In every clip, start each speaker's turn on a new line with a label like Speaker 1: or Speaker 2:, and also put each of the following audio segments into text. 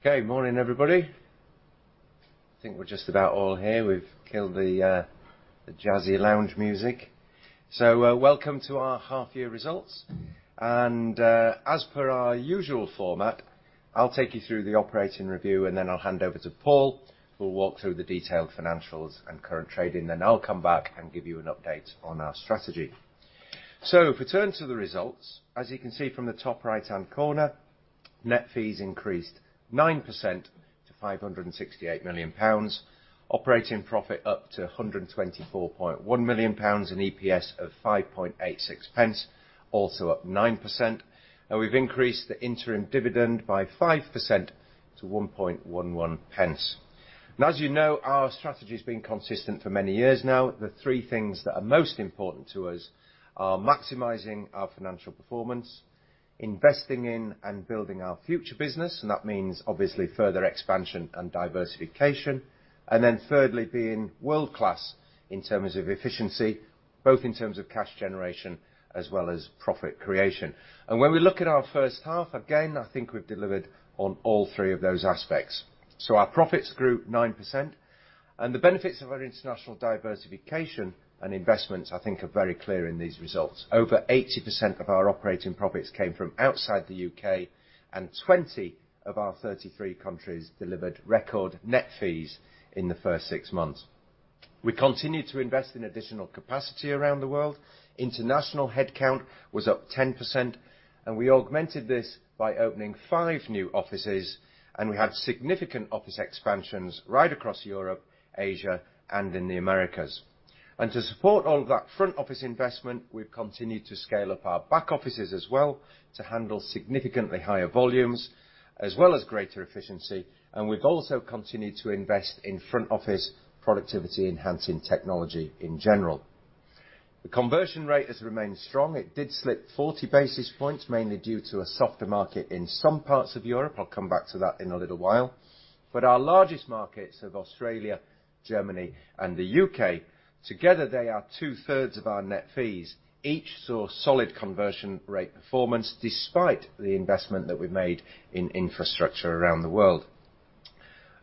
Speaker 1: Okay. Morning, everybody. I think we're just about all here. We've killed the jazzy lounge music. Welcome to our half year results. As per our usual format, I'll take you through the operating review, then I'll hand over to Paul, who will walk through the detailed financials and current trading. I'll come back and give you an update on our strategy. If we turn to the results, as you can see from the top right-hand corner, net fees increased 9% to 568 million pounds. Operating profit up to 124.1 million pounds, an EPS of 0.0586, also up 9%. We've increased the interim dividend by 5% to 0.0111. As you know, our strategy's been consistent for many years now. The three things that are most important to us are maximizing our financial performance, investing in and building our future business, and that means obviously further expansion and diversification. Thirdly, being world-class in terms of efficiency, both in terms of cash generation as well as profit creation. When we look at our first half, again, I think we've delivered on all three of those aspects. Our profits grew 9% and the benefits of our international diversification and investments, I think, are very clear in these results. Over 80% of our operating profits came from outside the U.K., and 20 of our 33 countries delivered record net fees in the first six months. We continued to invest in additional capacity around the world. International headcount was up 10% and we augmented this by opening five new offices, and we had significant office expansions right across Europe, Asia, and in the Americas. To support all of that front office investment, we've continued to scale up our back offices as well to handle significantly higher volumes, as well as greater efficiency. We've also continued to invest in front office productivity-enhancing technology in general. The conversion rate has remained strong. It did slip 40 basis points, mainly due to a softer market in some parts of Europe. I'll come back to that in a little while. Our largest markets of Australia, Germany, and the U.K., together they are two-thirds of our net fees, each saw solid conversion rate performance despite the investment that we've made in infrastructure around the world.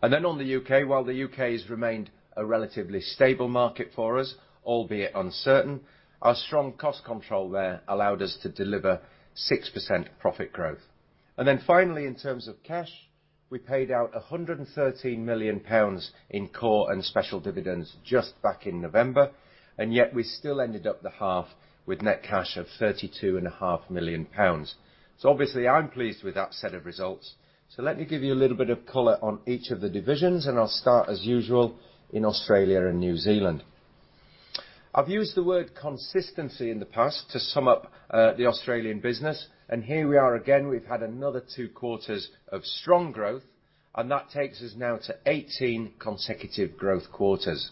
Speaker 1: On the U.K., while the U.K. has remained a relatively stable market for us, albeit uncertain, our strong cost control there allowed us to deliver 6% profit growth. Finally, in terms of cash, we paid out 113 million pounds in core and special dividends just back in November, and yet we still ended up the half with net cash of 32.5 million pounds. Obviously, I'm pleased with that set of results. Let me give you a little bit of color on each of the divisions, and I'll start, as usual, in Australia and New Zealand. I've used the word consistency in the past to sum up the Australian business, and here we are again. We've had another two quarters of strong growth and that takes us now to 18 consecutive growth quarters.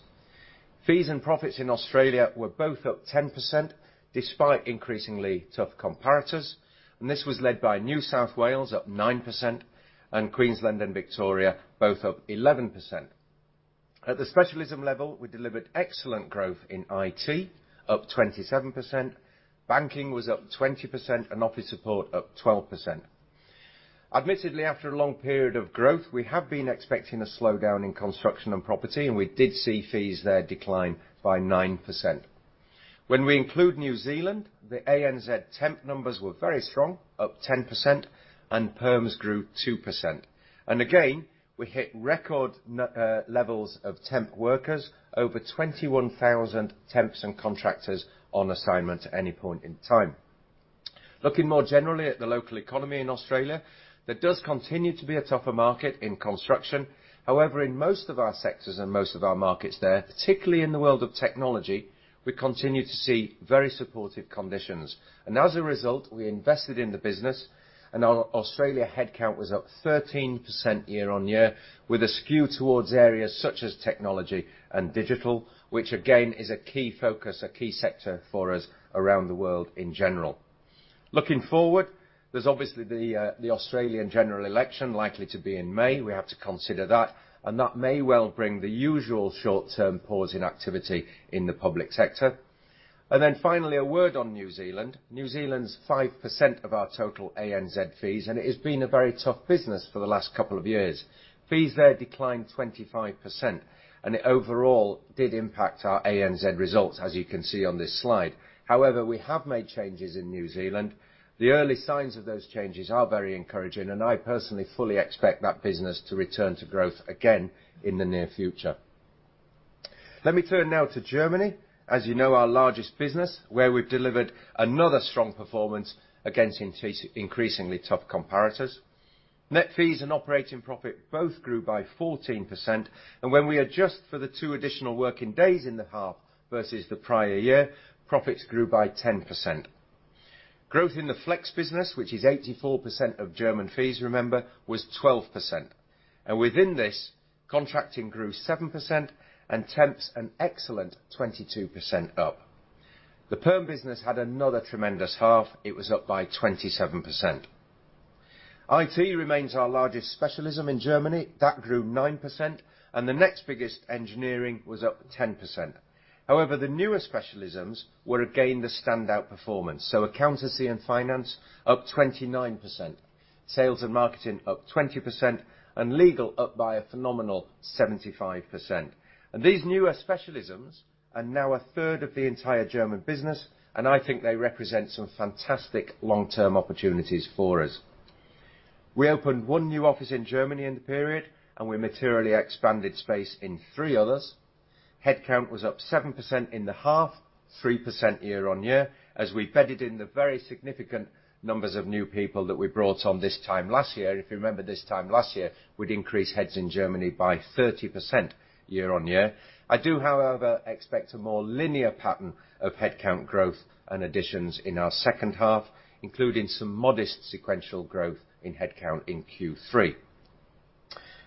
Speaker 1: Fees and profits in Australia were both up 10%, despite increasingly tough comparators. This was led by New South Wales, up 9%, and Queensland and Victoria, both up 11%. At the specialism level, we delivered excellent growth in IT, up 27%. Banking was up 20% and office support up 12%. Admittedly, after a long period of growth, we have been expecting a slowdown in construction and property, and we did see fees there decline by 9%. When we include New Zealand, the ANZ temp numbers were very strong, up 10%, and perms grew 2%. Again, we hit record levels of temp workers, over 21,000 temps and contractors on assignment at any point in time. Looking more generally at the local economy in Australia, there does continue to be a tougher market in construction. In most of our sectors and most of our markets there, particularly in the world of technology, we continue to see very supportive conditions. As a result, we invested in the business and our Australia headcount was up 13% year-on-year, with a skew towards areas such as technology and digital, which again, is a key focus, a key sector for us around the world in general. Looking forward, there's obviously the Australian general election likely to be in May. We have to consider that, and that may well bring the usual short-term pause in activity in the public sector. Finally, a word on New Zealand. New Zealand is 5% of our total ANZ fees, and it has been a very tough business for the last couple of years. Fees there declined 25% and it overall did impact our ANZ results, as you can see on this slide. We have made changes in New Zealand. The early signs of those changes are very encouraging and I personally fully expect that business to return to growth again in the near future. Let me turn now to Germany, as you know, our largest business, where we've delivered another strong performance against increasingly tough comparators. Net fees and operating profit both grew by 14% and when we adjust for the two additional working days in the half versus the prior year, profits grew by 10%. Growth in the flex business, which is 84% of German fees, remember, was 12%. Within this, contracting grew 7% and temps an excellent 22% up. The perm business had another tremendous half. It was up by 27%. IT remains our largest specialism in Germany. That grew 9%, and the next biggest, engineering, was up 10%. The newer specialisms were again the standout performance. Accountancy & Finance up 29%, sales and marketing up 20%, and legal up by a phenomenal 75%. These newer specialisms are now a third of the entire German business, and I think they represent some fantastic long-term opportunities for us. We opened one new office in Germany in the period, and we materially expanded space in three others. Headcount was up 7% in the half, 3% year-on-year, as we bedded in the very significant numbers of new people that we brought on this time last year. If you remember this time last year, we'd increased heads in Germany by 30% year-on-year. I do, however, expect a more linear pattern of headcount growth and additions in our second half, including some modest sequential growth in headcount in Q3.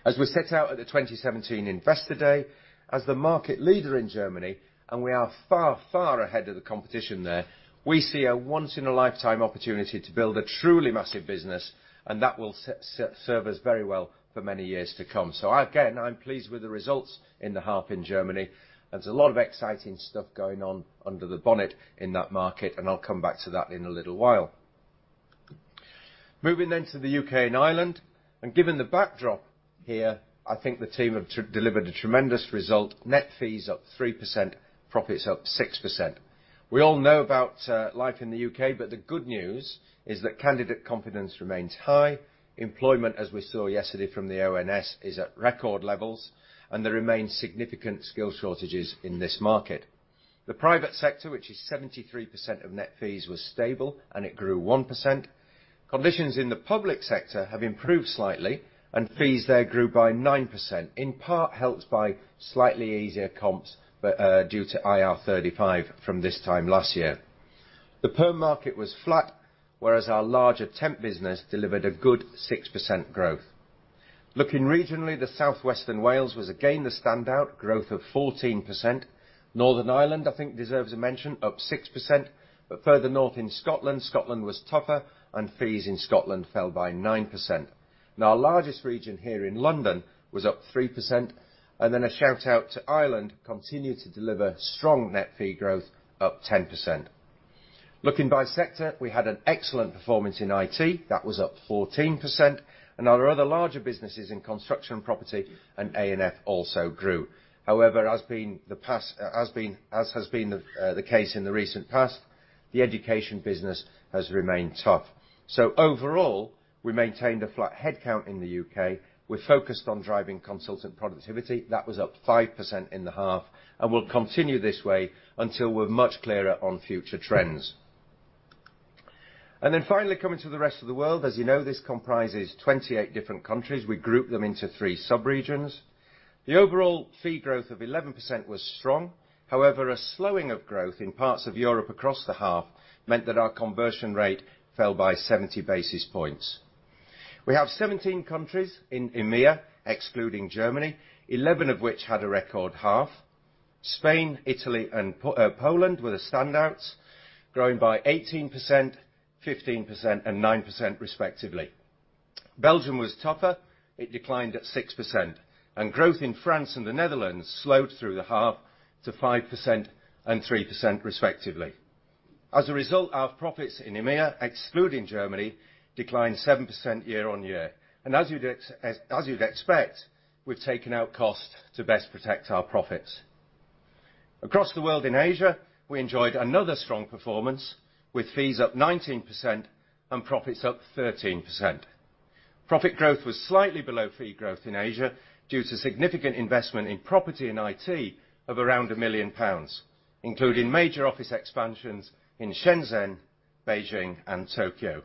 Speaker 1: As we set out at the 2017 Investor Day, as the market leader in Germany, we are far, far ahead of the competition there. We see a once in a lifetime opportunity to build a truly massive business that will serve us very well for many years to come. Again, I'm pleased with the results in the half in Germany. There's a lot of exciting stuff going on under the bonnet in that market. I'll come back to that in a little while. Moving to the U.K. and Ireland, given the backdrop here, I think the team have delivered a tremendous result. Net fees up 3%, profits up 6%. We all know about life in the U.K., candidate confidence remains high. Employment, as we saw yesterday from the ONS, is at record levels, there remains significant skill shortages in this market. The private sector, which is 73% of net fees, was stable. It grew 1%. Conditions in the public sector have improved slightly, fees there grew by 9%, in part helped by slightly easier comps due to IR35 from this time last year. The perm market was flat, whereas our larger temp business delivered a good 6% growth. Looking regionally, the southwestern Wales was again the standout, growth of 14%. Northern Ireland, I think deserves a mention, up 6%. Further north in Scotland was tougher, fees in Scotland fell by 9%. Our largest region here in London was up 3%. A shout-out to Ireland, continued to deliver strong net fee growth, up 10%. Looking by sector, we had an excellent performance in IT, that was up 14%. Our other larger businesses in Construction & Property and A&F also grew. However, as has been the case in the recent past, the education business has remained tough. Overall, we maintained a flat headcount in the U.K. We're focused on driving consultant productivity. That was up 5% in the half, will continue this way until we're much clearer on future trends. Finally coming to the rest of the world. As you know, this comprises 28 different countries. We group them into three subregions. The overall fee growth of 11% was strong. However, a slowing of growth in parts of Europe across the half meant that our conversion rate fell by 70 basis points. We have 17 countries in EMEIA, excluding Germany, 11 of which had a record half. Spain, Italy, and Poland were the standouts, growing by 18%, 15%, and 9% respectively. Belgium was tougher. It declined at 6%. Growth in France and the Netherlands slowed through the half to 5% and 3% respectively. As a result, our profits in EMEIA, excluding Germany, declined 7% year-on-year. As you'd expect, we've taken out cost to best protect our profits. Across the world in Asia, we enjoyed another strong performance with fees up 19% and profits up 13%. Profit growth was slightly below fee growth in Asia due to significant investment in property and IT of around 1 million pounds, including major office expansions in Shenzhen, Beijing, and Tokyo.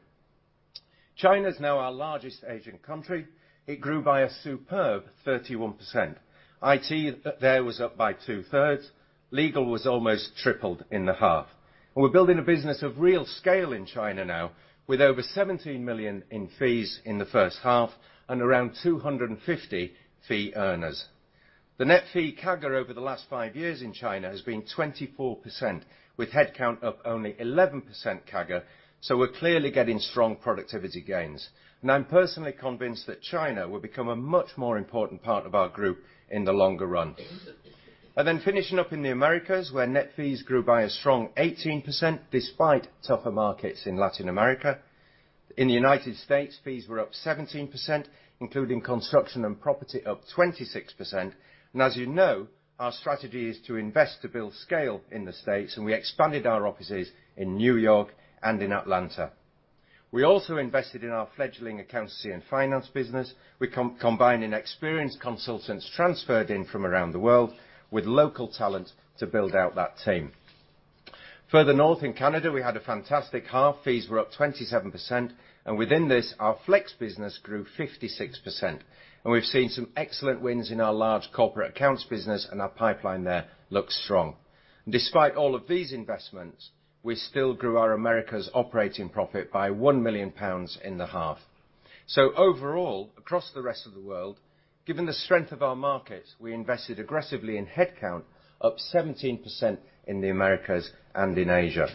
Speaker 1: China's now our largest Asian country. It grew by a superb 31%. IT there was up by two-thirds. Legal was almost tripled in the half. We're building a business of real scale in China now, with over 17 million in fees in the first half and around 250 fee earners. The net fee CAGR over the last 5 years in China has been 24%, with headcount up only 11% CAGR, so we're clearly getting strong productivity gains. I'm personally convinced that China will become a much more important part of our group in the longer run. Finishing up in the Americas, where net fees grew by a strong 18% despite tougher markets in Latin America. In the U.S., fees were up 17%, including construction and property up 26%. As you know, our strategy is to invest to build scale in the States, and we expanded our offices in New York and in Atlanta. We also invested in our fledgling accountancy and finance business. We're combining experienced consultants transferred in from around the world with local talent to build out that team. Further north in Canada, we had a fantastic half. Fees were up 27%, and within this, our flex business grew 56%. We've seen some excellent wins in our large corporate accounts business and our pipeline there looks strong. Despite all of these investments, we still grew our Americas operating profit by 1 million pounds in the half. Overall, across the rest of the world, given the strength of our markets, we invested aggressively in headcount, up 17% in the Americas and in Asia.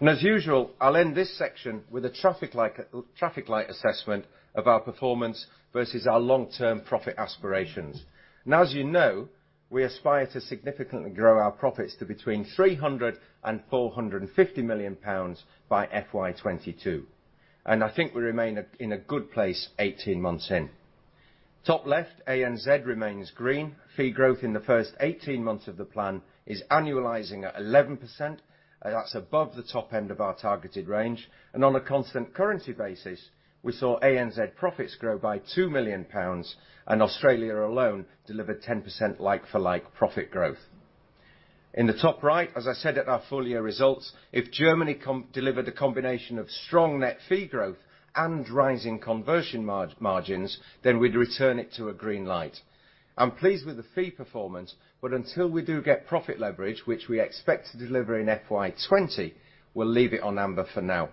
Speaker 1: As usual, I'll end this section with a traffic light assessment of our performance versus our long-term profit aspirations. As you know, we aspire to significantly grow our profits to between 300 million pounds and 450 million pounds by FY 2022, I think we remain in a good place 18 months in. Top left, ANZ remains green. Fee growth in the first 18 months of the plan is annualizing at 11%, that's above the top end of our targeted range. On a constant currency basis, we saw ANZ profits grow by 2 million pounds, and Australia alone delivered 10% like-for-like profit growth. In the top right, as I said at our full year results, if Germany delivered a combination of strong net fee growth and rising conversion margins, then we'd return it to a green light. I'm pleased with the fee performance, until we do get profit leverage, which we expect to deliver in FY 2020, we'll leave it on amber for now.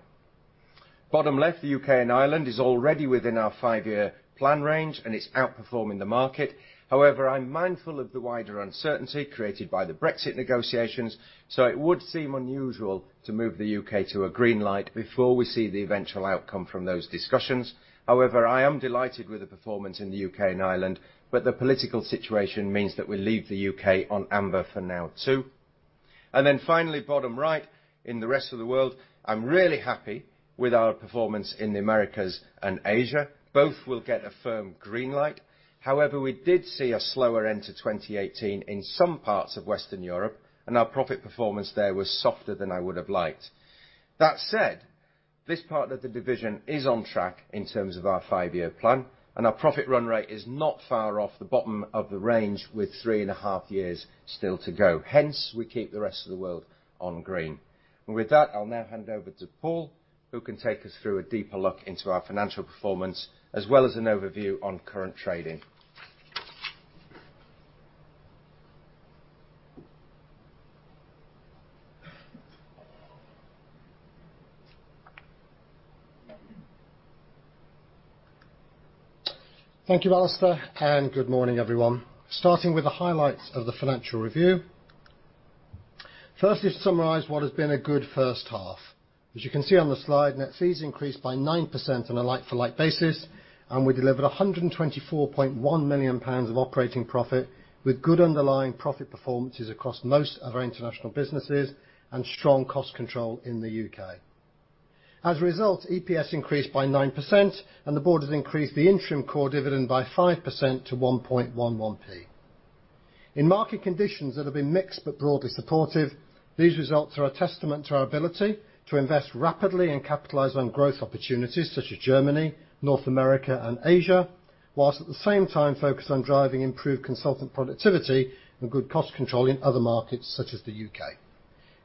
Speaker 1: Bottom left, the U.K. and Ireland is already within our 5-year plan range, it's outperforming the market. However, I'm mindful of the wider uncertainty created by the Brexit negotiations, so it would seem unusual to move the U.K. to a green light before we see the eventual outcome from those discussions. I am delighted with the performance in the U.K. and Ireland, the political situation means that we'll leave the U.K. on amber for now, too. Finally, bottom right, in the rest of the world, I'm really happy with our performance in the Americas and Asia. Both will get a firm green light. However, we did see a slower end to 2018 in some parts of Western Europe, our profit performance there was softer than I would have liked. That said, this part of the division is on track in terms of our five-year plan, and our profit run rate is not far off the bottom of the range with three and a half years still to go. We keep the rest of the world on green. With that, I will now hand over to Paul, who can take us through a deeper look into our financial performance, as well as an overview on current trading.
Speaker 2: Thank you, Alistair, and good morning, everyone. Starting with the highlights of the financial review. Firstly, to summarize what has been a good first half. As you can see on the slide, net fees increased by 9% on a like-for-like basis, and we delivered 124.1 million pounds of operating profit with good underlying profit performances across most of our international businesses and strong cost control in the U.K. As a result, EPS increased by 9%, and the board has increased the interim core dividend by 5% to 0.0111. In market conditions that have been mixed but broadly supportive, these results are a testament to our ability to invest rapidly and capitalize on growth opportunities such as Germany, North America, and Asia, whilst at the same time focus on driving improved consultant productivity and good cost control in other markets such as the U.K.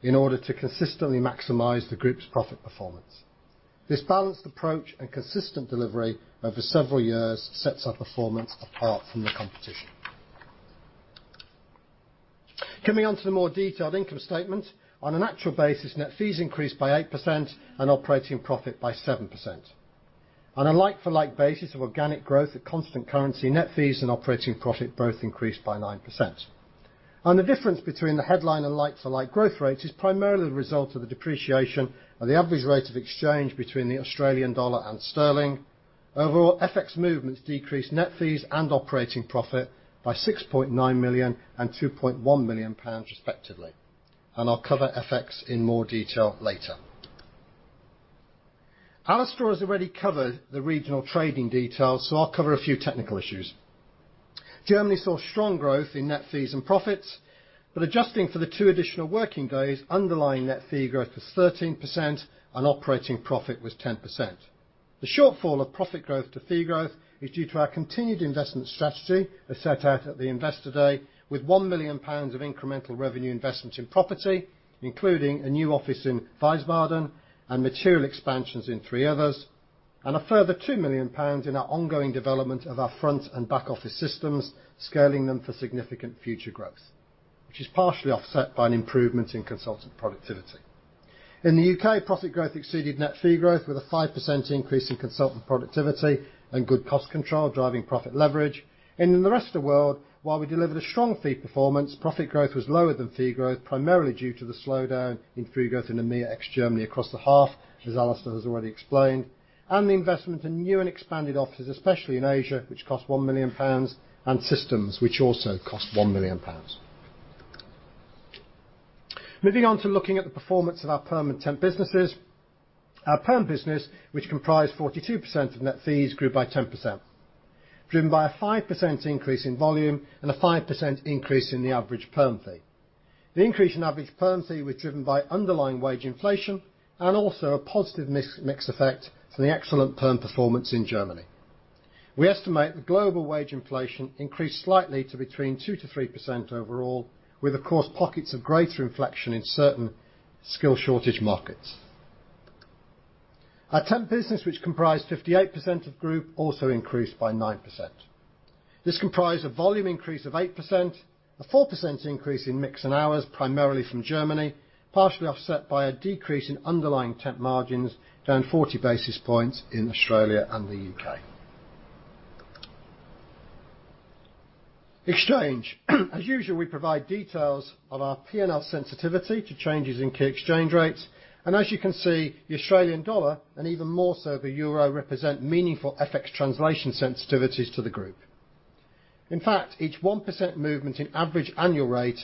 Speaker 2: in order to consistently maximize the group's profit performance. This balanced approach and consistent delivery over several years sets our performance apart from the competition. Coming on to the more detailed income statement. On an actual basis, net fees increased by 8% and operating profit by 7%. On a like-for-like basis of organic growth at constant currency, net fees and operating profit both increased by 9%. The difference between the headline and like-for-like growth rates is primarily the result of the depreciation of the average rate of exchange between the AUD and GBP. Overall, FX movements decreased net fees and operating profit by 6.9 million and 2.1 million pounds respectively. I will cover FX in more detail later. Alistair has already covered the regional trading details, so I will cover a few technical issues. Germany saw strong growth in net fees and profits, but adjusting for the two additional working days, underlying net fee growth was 13% and operating profit was 10%. The shortfall of profit growth to fee growth is due to our continued investment strategy, as set out at the Investor Day, with 1 million pounds of incremental revenue investment in property, including a new office in Wiesbaden and material expansions in three others, and a further 2 million pounds in our ongoing development of our front and back office systems, scaling them for significant future growth, which is partially offset by an improvement in consultant productivity. In the U.K., profit growth exceeded net fee growth with a 5% increase in consultant productivity and good cost control driving profit leverage. While we delivered a strong fee performance, profit growth was lower than fee growth, primarily due to the slowdown in fee growth in EMEA ex Germany across the half, as Alistair has already explained, and the investment in new and expanded offices, especially in Asia, which cost 1 million pounds, and systems, which also cost 1 million pounds. Looking at the performance of our perm and temp businesses. Our perm business, which comprised 42% of net fees, grew by 10%, driven by a 5% increase in volume and a 5% increase in the average perm fee. The increase in average perm fee was driven by underlying wage inflation and also a positive mix effect from the excellent perm performance in Germany. We estimate the global wage inflation increased slightly to between 2%-3% overall, with, of course, pockets of greater inflation in certain skill shortage markets. Our temp business, which comprised 58% of group, also increased by 9%. This comprised a volume increase of 8%, a 4% increase in mix and hours, primarily from Germany, partially offset by a decrease in underlying temp margins, down 40 basis points in Australia and the U.K. Exchange. As usual, we provide details of our P&L sensitivity to changes in key exchange rates. As you can see, the Australian dollar and even more so the euro represent meaningful FX translation sensitivities to the group. In fact, each 1% movement in average annual rate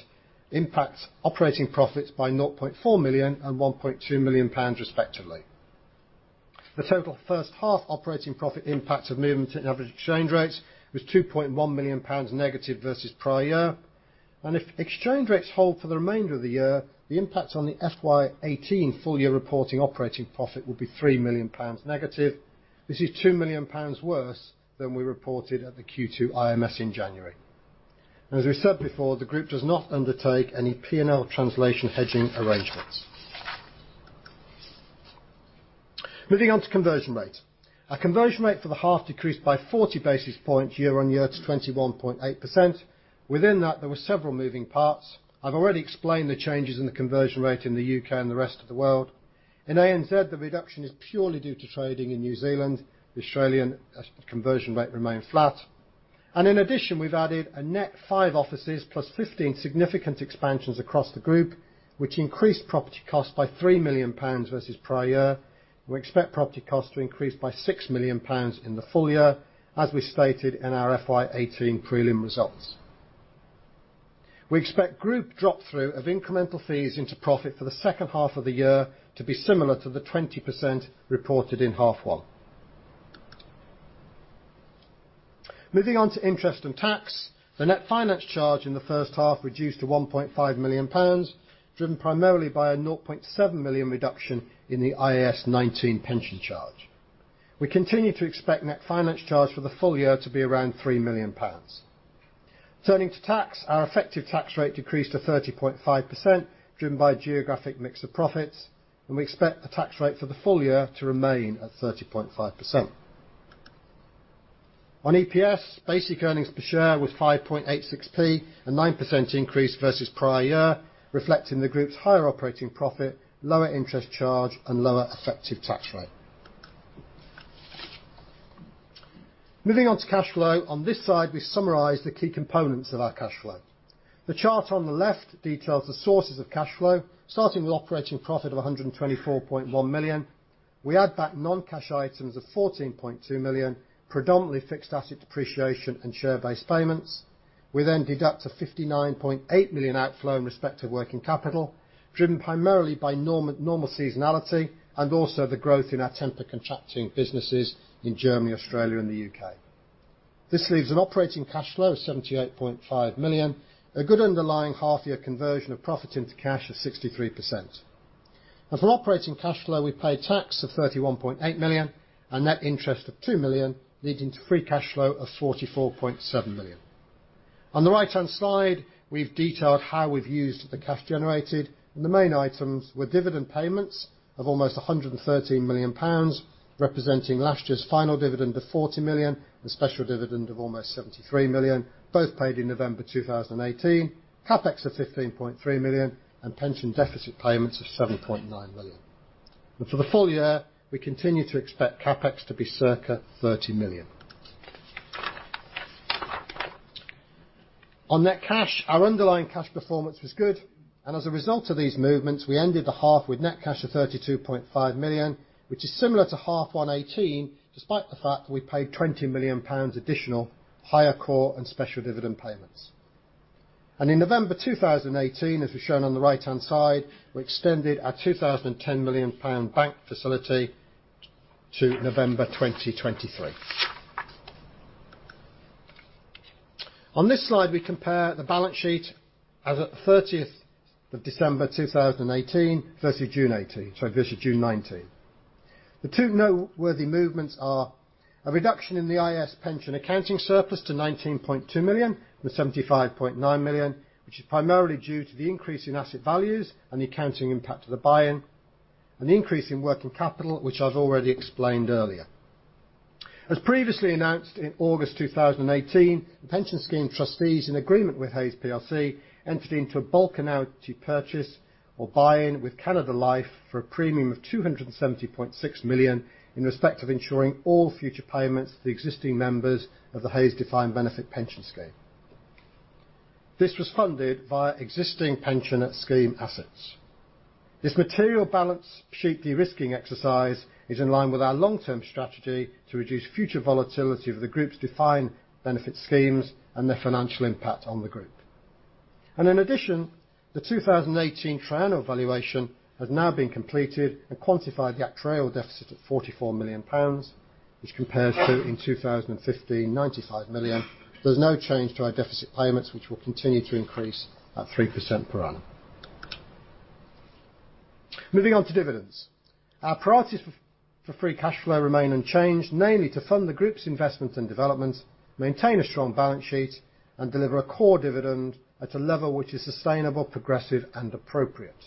Speaker 2: impacts operating profits by 0.4 million and 1.2 million pounds respectively. The total first half operating profit impact of movement in average exchange rates was 2.1 million pounds negative versus prior year. If exchange rates hold for the remainder of the year, the impact on the FY 18 full year reporting operating profit will be 3 million pounds negative. This is 2 million pounds worse than we reported at the Q2 IMS in January. As we said before, the group does not undertake any P&L translation hedging arrangements. Conversion rate. Our conversion rate for the half decreased by 40 basis points year on year to 21.8%. Within that, there were several moving parts. I've already explained the changes in the conversion rate in the U.K. and the rest of the world. In ANZ, the reduction is purely due to trading in New Zealand. The Australian conversion rate remained flat. In addition, we've added a net five offices plus 15 significant expansions across the group, which increased property cost by 3 million pounds versus prior year. We expect property cost to increase by 6 million pounds in the full year, as we stated in our FY 18 prelim results. We expect group drop-through of incremental fees into profit for the second half of the year to be similar to the 20% reported in half one. Interest and tax. The net finance charge in the first half reduced to 1.5 million pounds, driven primarily by a 0.7 million reduction in the IAS 19 pension charge. We continue to expect net finance charge for the full year to be around 3 million pounds. Turning to tax, our effective tax rate decreased to 30.5%, driven by geographic mix of profits. We expect the tax rate for the full year to remain at 30.5%. On EPS, basic earnings per share was 0.0586, a 9% increase versus prior year, reflecting the group's higher operating profit, lower interest charge, and lower effective tax rate. Moving on to cash flow. On this slide, we summarize the key components of our cash flow. The chart on the left details the sources of cash flow. Starting with operating profit of 124.1 million, we add back non-cash items of 14.2 million, predominantly fixed asset depreciation and share-based payments. We then deduct a 59.8 million outflow in respect to working capital, driven primarily by normal seasonality and also the growth in our temp contracting businesses in Germany, Australia and the U.K. This leaves an operating cash flow of 78.5 million, a good underlying half year conversion of profit into cash of 63%. From operating cash flow, we pay tax of 31.8 million and net interest of two million, leading to free cash flow of 44.7 million. On the right-hand slide, we've detailed how we've used the cash generated. The main items were dividend payments of almost 113 million pounds, representing last year's final dividend of GBP 40 million and special dividend of almost 73 million, both paid in November 2018. CapEx of 15.3 million and pension deficit payments of GBP 7.9 million. For the full year, we continue to expect CapEx to be circa GBP 30 million. On net cash, our underlying cash performance was good. As a result of these movements, we ended the half with net cash of 32.5 million, which is similar to half one 2018, despite the fact that we paid 20 million pounds additional higher core and special dividend payments. In November 2018, as is shown on the right-hand side, we extended our 2,010 million pound bank facility to November 2023. On this slide, we compare the balance sheet as at 30th of December 2018 versus June '18 versus June '19. The two noteworthy movements are a reduction in the IAS 19 pension accounting surplus to 19.2 million from 75.9 million, which is primarily due to the increase in asset values and the accounting impact of the buy-in, and the increase in working capital, which I've already explained earlier. As previously announced in August 2018, the pension scheme trustees, in agreement with Hays PLC, entered into a bulk annuity purchase or buy-in with Canada Life for a premium of 270.6 million in respect of ensuring all future payments to the existing members of the Hays defined benefit pension scheme. This was funded via existing pension scheme assets. This material balance sheet de-risking exercise is in line with our long-term strategy to reduce future volatility of the group's defined benefit schemes and their financial impact on the group. In addition, the 2018 triennial valuation has now been completed and quantified the actuarial deficit at 44 million pounds, which compares to in 2015, 95 million. There's no change to our deficit payments, which will continue to increase at 3% per annum. Moving on to dividends. Our priorities for free cash flow remain unchanged, namely to fund the group's investments and developments, maintain a strong balance sheet, and deliver a core dividend at a level which is sustainable, progressive and appropriate.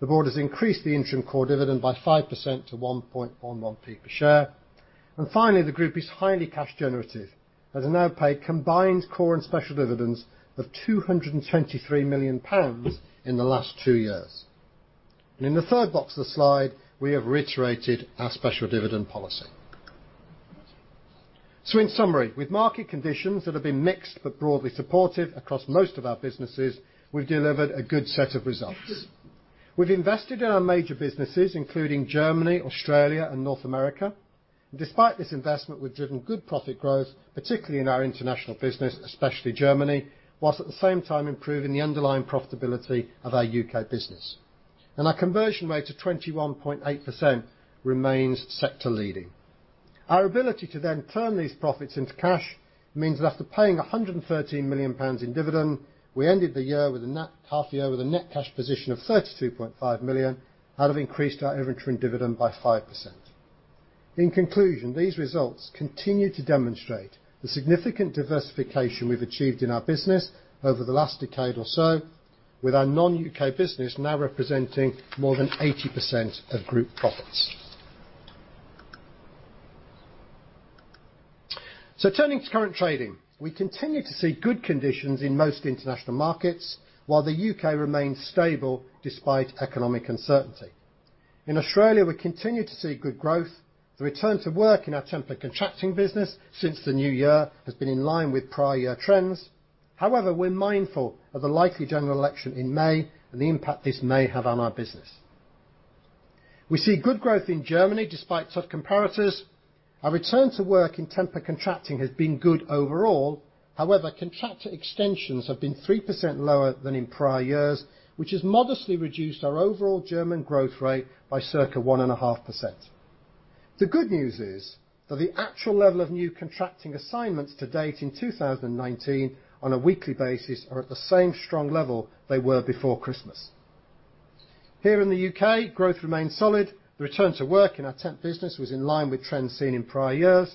Speaker 2: The board has increased the interim core dividend by 5% to 1.11p per share. Finally, the group is highly cash generative, as it now paid combined core and special dividends of 223 million pounds in the last two years. In the third box of the slide, we have reiterated our special dividend policy. In summary, with market conditions that have been mixed but broadly supportive across most of our businesses, we've delivered a good set of results. We've invested in our major businesses, including Germany, Australia, and North America. Despite this investment, we've driven good profit growth, particularly in our international business, especially Germany, whilst at the same time improving the underlying profitability of our U.K. business. Our conversion rate of 21.8% remains sector leading. Our ability to then turn these profits into cash means that after paying 113 million pounds in dividend, we ended the half year with a net cash position of 32.5 million, out of increased our interim dividend by 5%. In conclusion, these results continue to demonstrate the significant diversification we've achieved in our business over the last decade or so, with our non-U.K. business now representing more than 80% of group profits. Turning to current trading, we continue to see good conditions in most international markets, while the U.K. remains stable despite economic uncertainty. In Australia, we continue to see good growth. The return to work in our temp and contracting business since the new year has been in line with prior year trends. However, we're mindful of the likely general election in May and the impact this may have on our business. We see good growth in Germany despite tough comparators. Our return to work in temp and contracting has been good overall. However, contractor extensions have been 3% lower than in prior years, which has modestly reduced our overall German growth rate by circa 1.5%. The good news is that the actual level of new contracting assignments to date in 2019 on a weekly basis are at the same strong level they were before Christmas. Here in the U.K., growth remains solid. The return to work in our temp business was in line with trends seen in prior years.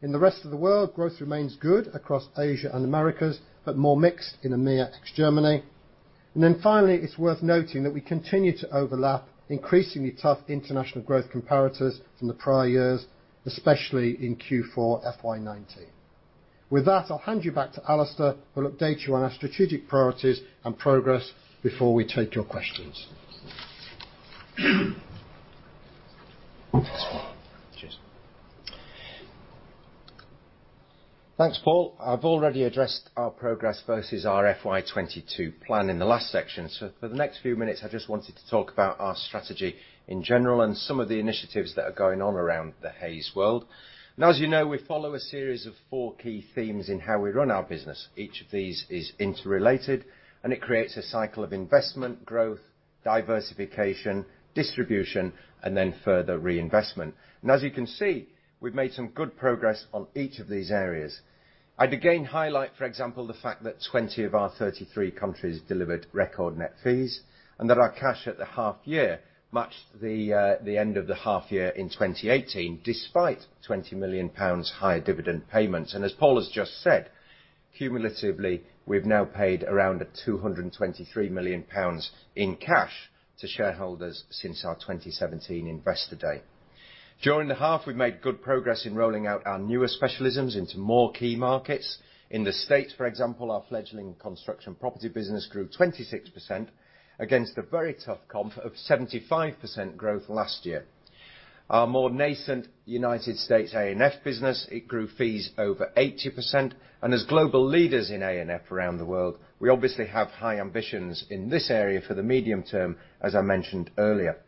Speaker 2: In the rest of the world, growth remains good across Asia and Americas, but more mixed in EMEA ex-Germany. Finally, it's worth noting that we continue to overlap increasingly tough international growth comparators from the prior years, especially in Q4 FY 2019. With that, I'll hand you back to Alistair, who will update you on our strategic priorities and progress before we take your questions.
Speaker 1: Cheers. Thanks, Paul. I've already addressed our progress versus our FY 2022 plan in the last section. For the next few minutes, I just wanted to talk about our strategy in general and some of the initiatives that are going on around the Hays world. As you know, we follow a series of four key themes in how we run our business. Each of these is interrelated, and it creates a cycle of investment growth, diversification, distribution, then further reinvestment. As you can see, we've made some good progress on each of these areas. I'd again highlight, for example, the fact that 20 of our 33 countries delivered record net fees and that our cash at the half year matched the end of the half year in 2018, despite GBP 20 million higher dividend payments. As Paul has just said, cumulatively, we've now paid around 223 million pounds in cash to shareholders since our 2017 Investor Day. During the half, we've made good progress in rolling out our newer specialisms into more key markets. In the U.S., for example, our fledgling construction property business grew 26% against a very tough comp of 75% growth last year. Our more nascent U.S. A&F business, it grew fees over 80%. As global leaders in A&F around the world, we obviously have high ambitions in this area for the medium term, as I mentioned earlier.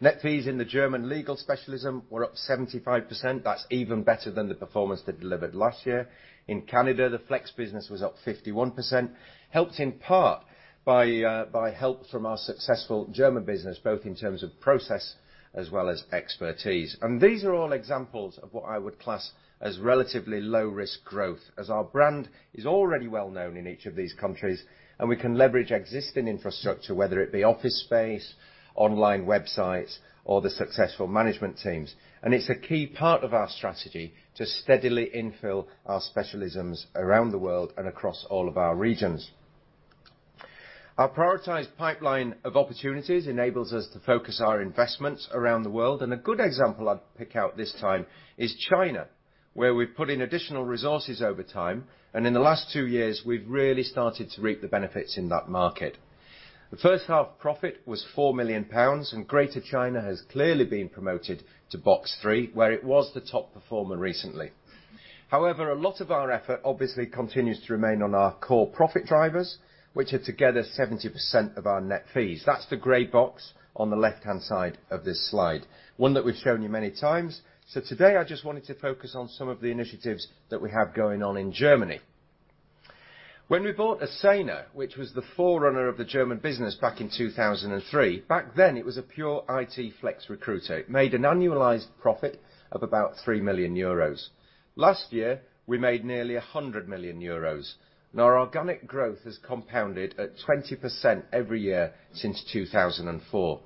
Speaker 1: Net fees in the German legal specialism were up 75%. That's even better than the performance they delivered last year. In Canada, the flex business was up 51%, helped in part by help from our successful German business, both in terms of process as well as expertise. These are all examples of what I would class as relatively low risk growth, as our brand is already well known in each of these countries, and we can leverage existing infrastructure, whether it be office space, online websites, or the successful management teams. It's a key part of our strategy to steadily infill our specialisms around the world and across all of our regions. Our prioritized pipeline of opportunities enables us to focus our investments around the world. A good example I'd pick out this time is China, where we've put in additional resources over time. In the last two years, we've really started to reap the benefits in that market. The first half profit was 4 million pounds, and Greater China has clearly been promoted to box 3, where it was the top performer recently. However, a lot of our effort obviously continues to remain on our core profit drivers, which are together 70% of our net fees. That's the gray box on the left-hand side of this slide, one that we've shown you many times. Today, I just wanted to focus on some of the initiatives that we have going on in Germany. When we bought Ascena, which was the forerunner of the German business back in 2003, back then it was a pure IT flex recruiter. It made an annualized profit of about 3 million euros. Last year, we made nearly 100 million euros. Our organic growth has compounded at 20% every year since 2004.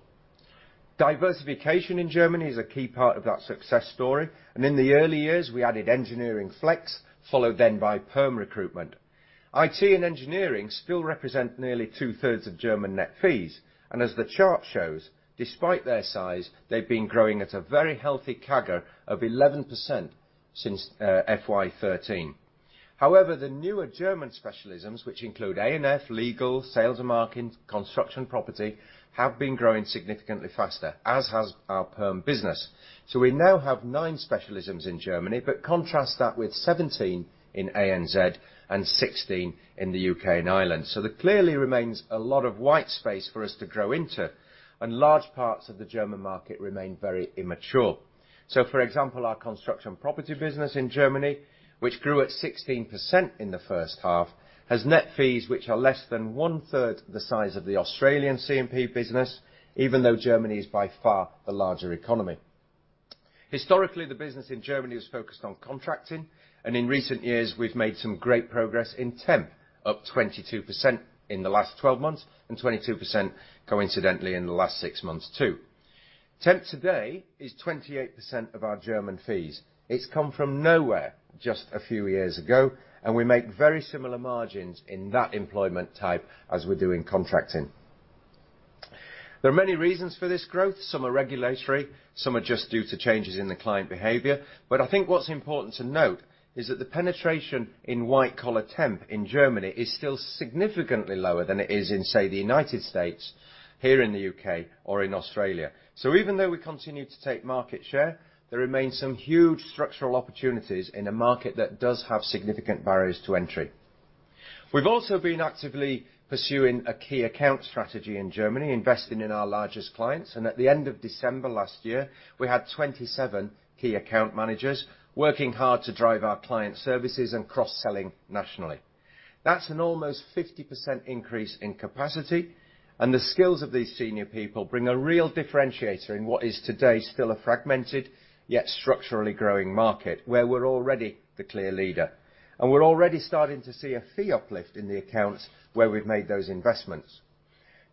Speaker 1: Diversification in Germany is a key part of that success story, in the early years, we added engineering flex, followed then by perm recruitment. IT and engineering still represent nearly two-thirds of German net fees, and as the chart shows, despite their size, they've been growing at a very healthy CAGR of 11% since FY 2013. However, the newer German specialisms, which include A&F, legal, Sales and Marketing, Construction, Property, have been growing significantly faster, as has our perm business. We now have nine specialisms in Germany, but contrast that with 17 in ANZ and 16 in the U.K. and Ireland. There clearly remains a lot of white space for us to grow into, and large parts of the German market remain very immature. For example, our Construction & Property business in Germany, which grew at 16% in the first half, has net fees which are less than one-third the size of the Australian C&P business, even though Germany is by far the larger economy. Historically, the business in Germany was focused on contracting, and in recent years we've made some great progress in temp, up 22% in the last 12 months, and 22% coincidentally in the last 6 months, too. Temp today is 28% of our German fees. It's come from nowhere just a few years ago, and we make very similar margins in that employment type as we do in contracting. There are many reasons for this growth. Some are regulatory, some are just due to changes in the client behavior. I think what's important to note is that the penetration in white-collar temp in Germany is still significantly lower than it is in, say, the U.S., here in the U.K., or in Australia. Even though we continue to take market share, there remains some huge structural opportunities in a market that does have significant barriers to entry. We've also been actively pursuing a key account strategy in Germany, investing in our largest clients, and at the end of December last year, we had 27 key account managers working hard to drive our client services and cross-selling nationally. That's an almost 50% increase in capacity, and the skills of these senior people bring a real differentiator in what is today still a fragmented, yet structurally growing market, where we're already the clear leader. We're already starting to see a fee uplift in the accounts where we've made those investments.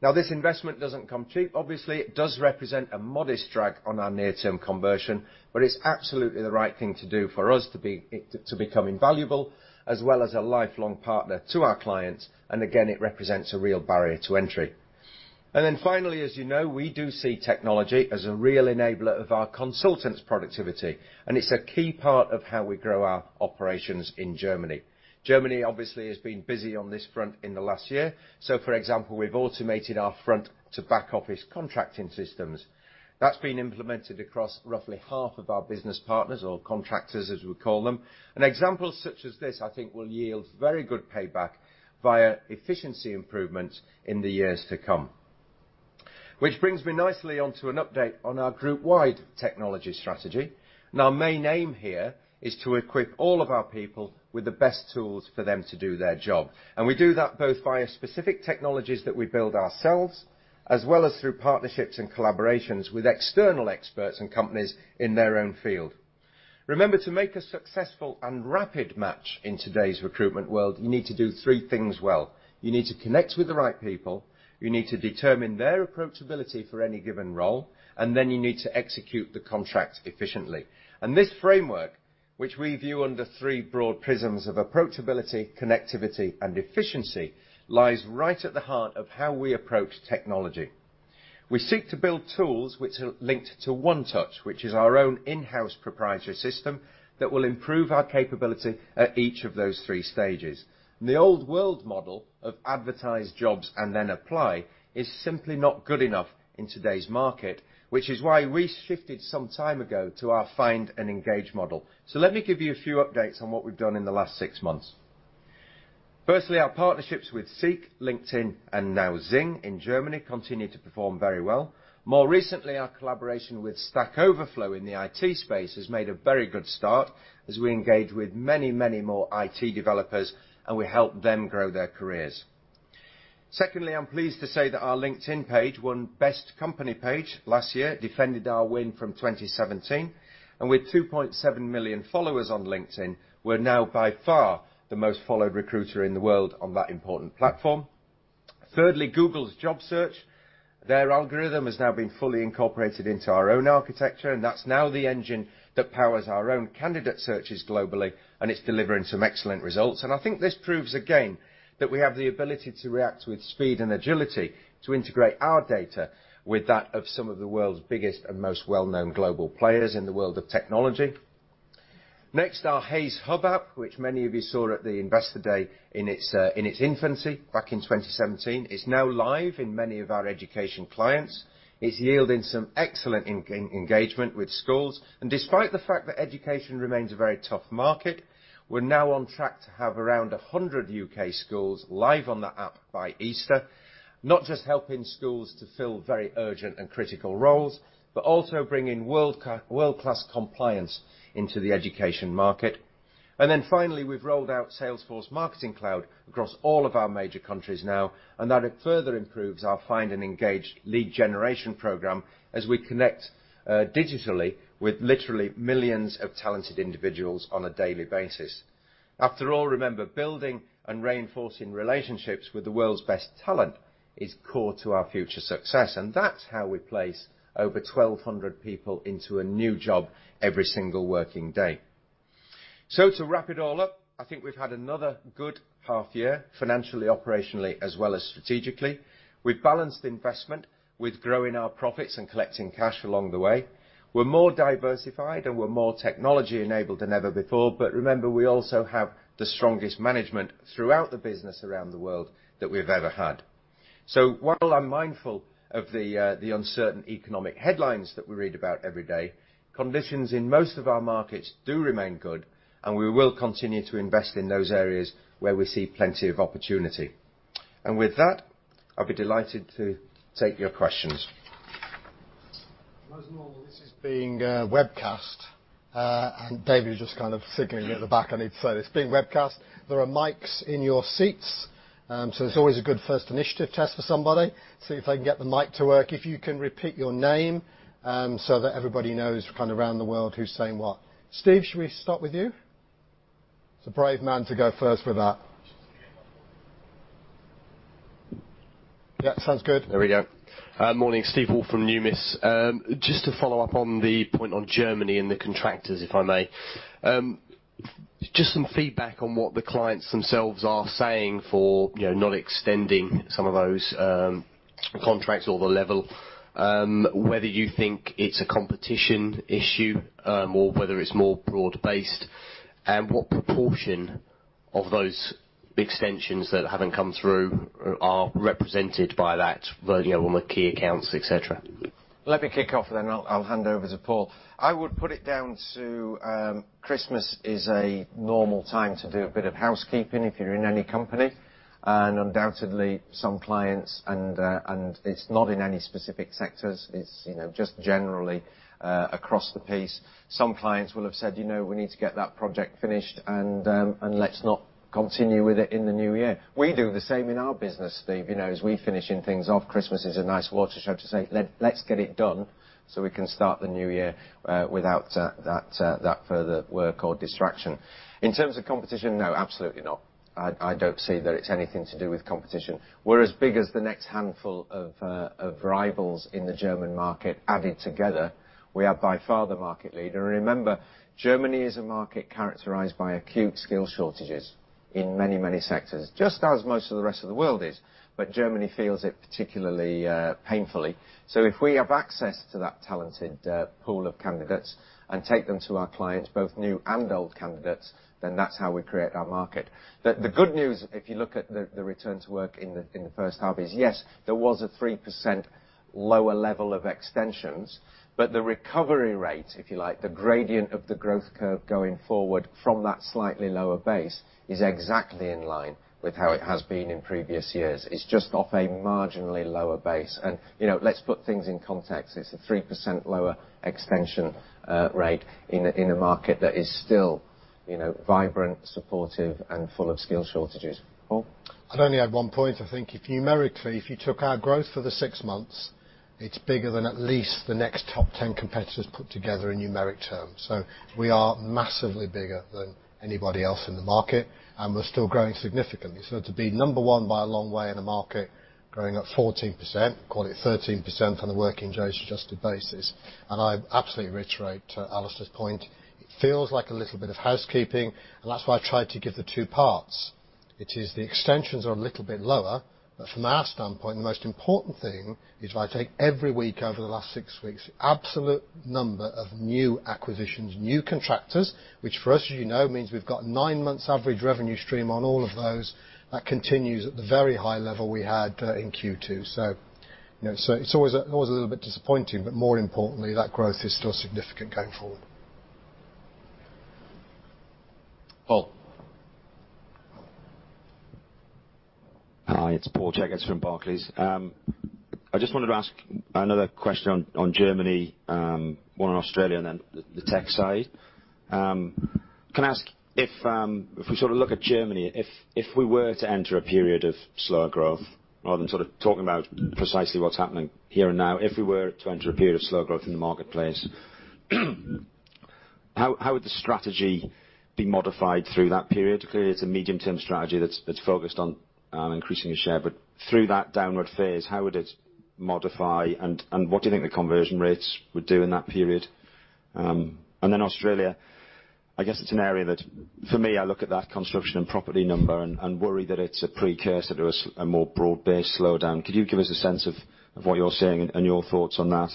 Speaker 1: Now, this investment doesn't come cheap. Obviously, it does represent a modest drag on our near-term conversion, but it's absolutely the right thing to do for us to become invaluable, as well as a lifelong partner to our clients. Again, it represents a real barrier to entry. Finally, as you know, we do see technology as a real enabler of our consultants' productivity, and it's a key part of how we grow our operations in Germany. Germany obviously has been busy on this front in the last year. For example, we've automated our front to back office contracting systems. That's been implemented across roughly half of our business partners or contractors as we call them. Examples such as this, I think will yield very good payback via efficiency improvements in the years to come. Which brings me nicely onto an update on our group-wide technology strategy. Our main aim here is to equip all of our people with the best tools for them to do their job. We do that both via specific technologies that we build ourselves, as well as through partnerships and collaborations with external experts and companies in their own field. Remember, to make a successful and rapid match in today's recruitment world, you need to do three things well. You need to connect with the right people, you need to determine their approachability for any given role, then you need to execute the contract efficiently. This framework, which we view under three broad prisms of approachability, connectivity, and efficiency, lies right at the heart of how we approach technology. We seek to build tools which are linked to OneTouch, which is our own in-house proprietary system that will improve our capability at each of those three stages. The old world model of advertise jobs and then apply is simply not good enough in today's market, which is why we shifted some time ago to our Find & Engage model. Let me give you a few updates on what we've done in the last six months. Firstly, our partnerships with SEEK, LinkedIn, and now XING in Germany continue to perform very well. More recently, our collaboration with Stack Overflow in the IT space has made a very good start as we engage with many more IT developers and we help them grow their careers. Secondly, I'm pleased to say that our LinkedIn page won Best Company Page last year, defended our win from 2017. With 2.7 million followers on LinkedIn, we're now by far the most followed recruiter in the world on that important platform. Thirdly, Google's job search. Their algorithm has now been fully incorporated into our own architecture, and that's now the engine that powers our own candidate searches globally, and it's delivering some excellent results. I think this proves again that we have the ability to react with speed and agility to integrate our data with that of some of the world's biggest and most well-known global players in the world of technology. Next, our Hays Hub app, which many of you saw at the Investor Day in its infancy back in 2017. It's now live in many of our education clients. It's yielding some excellent engagement with schools. Despite the fact that education remains a very tough market, we're now on track to have around 100 U.K. schools live on the app by Easter, not just helping schools to fill very urgent and critical roles, but also bringing world-class compliance into the education market. Finally, we've rolled out Salesforce Marketing Cloud across all of our major countries now, and that further improves our Find & Engage lead generation program as we connect digitally with literally millions of talented individuals on a daily basis. After all, remember, building and reinforcing relationships with the world's best talent is core to our future success, and that's how we place over 1,200 people into a new job every single working day. To wrap it all up, I think we've had another good half year, financially, operationally, as well as strategically. We've balanced investment with growing our profits and collecting cash along the way. We're more diversified and we're more technology-enabled than ever before. Remember, we also have the strongest management throughout the business around the world that we've ever had. While I'm mindful of the uncertain economic headlines that we read about every day, conditions in most of our markets do remain good, and we will continue to invest in those areas where we see plenty of opportunity. With that, I'll be delighted to take your questions.
Speaker 2: As normal, this is being webcast, and David's just kind of signaling at the back. I need to say, it's being webcast. There are mics in your seats, so it's always a good first initiative test for somebody, see if they can get the mic to work. If you can repeat your name so that everybody knows kind of around the world who's saying what. Steve, should we start with you? It's a brave man to go first with that. Yeah, sounds good.
Speaker 3: There we go. Morning, Steve Hall from Numis. Just to follow up on the point on Germany and the contractors, if I may. Just some feedback on what the clients themselves are saying for not extending some of those contracts or the level, whether you think it's a competition issue, or whether it's more broad-based, and what proportion of those extensions that haven't come through are represented by that, whether you own the key accounts, et cetera.
Speaker 1: Let me kick off, then I'll hand over to Paul. I would put it down to, Christmas is a normal time to do a bit of housekeeping if you're in any company. Undoubtedly, some clients, and it's not in any specific sectors, it's just generally across the piece. Some clients will have said, "We need to get that project finished and let's not continue with it in the new year." We do the same in our business, Steve, as we're finishing things off, Christmas is a nice watershed to say, "Let's get it done so we can start the new year without that further work or distraction." In terms of competition, no, absolutely not. I don't see that it's anything to do with competition. We're as big as the next handful of rivals in the German market added together. We are by far the market leader. Remember, Germany is a market characterized by acute skill shortages in many sectors. Just as most of the rest of the world is, Germany feels it particularly painfully. If we have access to that talented pool of candidates and take them to our clients, both new and old candidates, that's how we create our market. The good news, if you look at the return to work in the first half is, yes, there was a 3% lower level of extensions. The recovery rate, if you like, the gradient of the growth curve going forward from that slightly lower base, is exactly in line with how it has been in previous years. It's just off a marginally lower base. Let's put things in context. It's a 3% lower extension rate in a market that is still vibrant, supportive, and full of skill shortages. Paul.
Speaker 2: I'd only add one point. I think numerically, if you took our growth for the six months, it's bigger than at least the next top 10 competitors put together in numeric terms. We are massively bigger than anybody else in the market, and we're still growing significantly. To be number one by a long way in a market growing at 14%, call it 13% on a working days adjusted basis, I absolutely reiterate Alistair's point. It feels like a little bit of housekeeping, and that's why I tried to give the two parts. It is the extensions are a little bit lower. From our standpoint, the most important thing is if I take every week over the last six weeks, the absolute number of new acquisitions, new contractors, which for us means we've got nine months average revenue stream on all of those. That continues at the very high level we had in Q2. It's always a little bit disappointing, more importantly, that growth is still significant going forward.
Speaker 4: Paul. Hi, it's Paul Jeggo from Barclays. I just wanted to ask another question on Germany, one on Australia, and the tech side. Can I ask if we look at Germany, if we were to enter a period of slower growth, rather than sort of talking about precisely what's happening here and now. If we were to enter a period of slower growth in the marketplace how would the strategy be modified through that period? Clearly, it's a medium-term strategy that's focused on increasing your share. Through that downward phase, how would it modify, and what do you think the conversion rates would do in that period? Australia, I guess it's an area that for me, I look at that construction and property number and worry that it's a precursor to a more broad-based slowdown. Could you give us a sense of what you're seeing and your thoughts on that?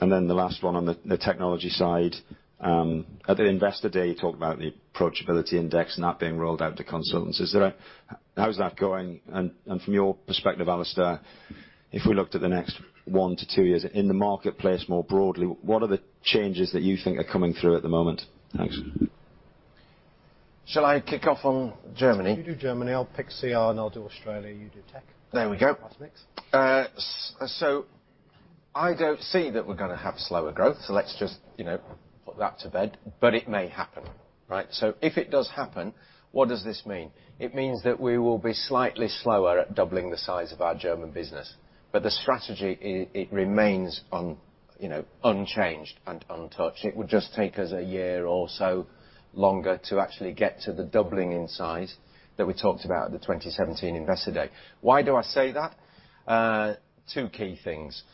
Speaker 4: Then the last one on the technology side. At the Investor Day, you talked about the Approachability Index and that being rolled out to consultants. How is that going? From your perspective, Alistair, if we looked at the next one to two years in the marketplace more broadly, what are the changes that you think are coming through at the moment? Thanks.
Speaker 1: Shall I kick off on Germany?
Speaker 2: You do Germany, I'll pick CR, and I'll do Australia, you do tech.
Speaker 1: There we go.
Speaker 2: Nice mix.
Speaker 1: I don't see that we're going to have slower growth, let's just put that to bed, but it may happen, right? If it does happen, what does this mean? It means that we will be slightly slower at doubling the size of our German business. The strategy, it remains unchanged and untouched. It would just take us a year or so longer to actually get to the doubling in size that we talked about at the 2017 Investor Day. Why do I say that? Two key things.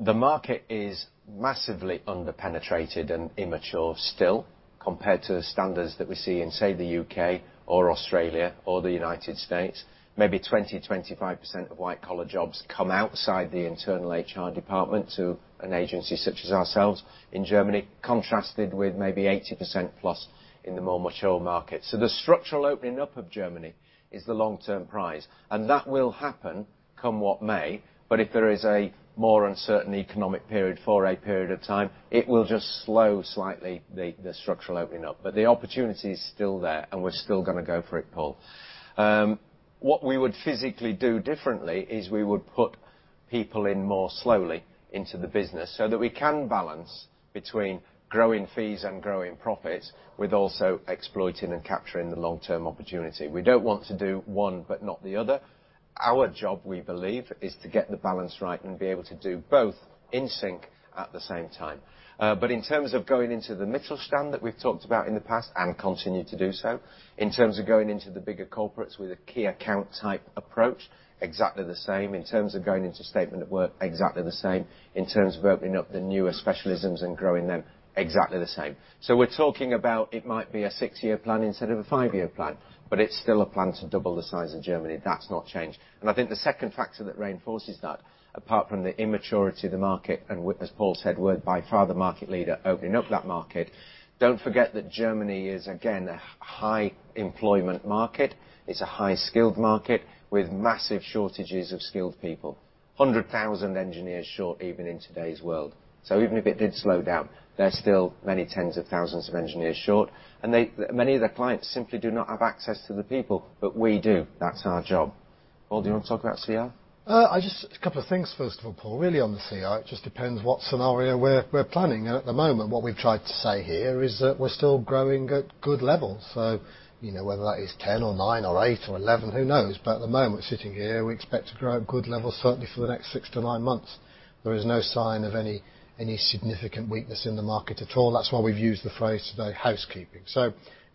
Speaker 1: The market is massively under-penetrated and immature still. Compared to standards that we see in, say, the U.K. or Australia or the United States, maybe 20%-25% of white collar jobs come outside the internal HR department to an agency such as ourselves in Germany, contrasted with maybe 80% plus in the more mature markets. The structural opening up of Germany is the long-term prize, and that will happen come what may. If there is a more uncertain economic period for a period of time, it will just slow slightly the structural opening up. The opportunity is still there, and we're still going to go for it, Paul. What we would physically do differently is we would put people in more slowly into the business so that we can balance between growing fees and growing profit, with also exploiting and capturing the long-term opportunity. We don't want to do one but not the other. Our job, we believe, is to get the balance right and be able to do both in sync at the same time. In terms of going into the Mittelstand that we've talked about in the past, and continue to do so, in terms of going into the bigger corporates with a key account type approach, exactly the same. In terms of going into statement of work, exactly the same. In terms of opening up the newer specialisms and growing them, exactly the same. We're talking about it might be a 6-year plan instead of a 5-year plan, but it's still a plan to double the size of Germany. That's not changed. I think the second factor that reinforces that, apart from the immaturity of the market, and as Paul said, we're by far the market leader opening up that market. Don't forget that Germany is, again, a high employment market. It's a high-skilled market with massive shortages of skilled people. 100,000 engineers short, even in today's world. Even if it did slow down, they're still many tens of thousands of engineers short, and many of their clients simply do not have access to the people, but we do. That's our job. Paul, do you want to talk about CR?
Speaker 2: Just a couple of things. First of all, Paul, really on the CR, it just depends what scenario we're planning. At the moment, what we've tried to say here is that we're still growing at good levels. Whether that is 10 or nine or eight or 11, who knows? At the moment, sitting here, we expect to grow at good levels certainly for the next six to nine months. There is no sign of any significant weakness in the market at all. That's why we've used the phrase today, housekeeping.